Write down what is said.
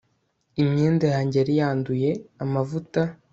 imyenda yanjye yari yanduye amavuta